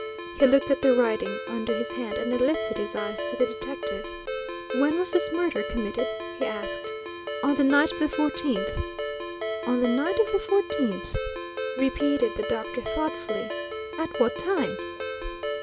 He looked at the writing under his hand and then lifted his eyes to the detective. "When was this murder committed?" he asked. "On the night of the fourteenth." "On the night of the fourteenth?" repeated the doctor thoughtfully. "At what time?"